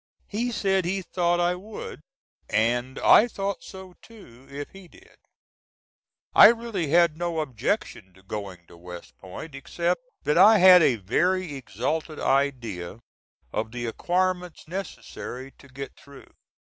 He said he thought I would, AND I THOUGHT SO TOO, IF HE DID. I really had no objection to going to West Point, except that I had a very exalted idea of the acquirements necessary to get through.